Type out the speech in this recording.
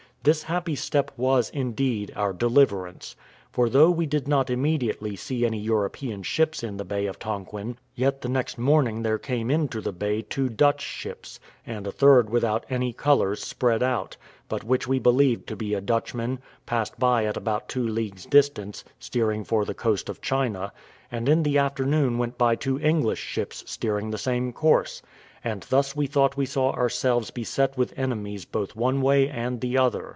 This happy step was, indeed, our deliverance: for though we did not immediately see any European ships in the bay of Tonquin, yet the next morning there came into the bay two Dutch ships; and a third without any colours spread out, but which we believed to be a Dutchman, passed by at about two leagues' distance, steering for the coast of China; and in the afternoon went by two English ships steering the same course; and thus we thought we saw ourselves beset with enemies both one way and the other.